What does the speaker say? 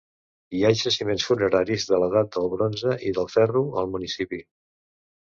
Hi ha jaciments funeraris de l'edat del bronze i del ferro al municipi.